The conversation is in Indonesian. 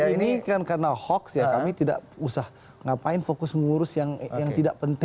ya ini kan karena hoax ya kami tidak usah ngapain fokus mengurus yang tidak penting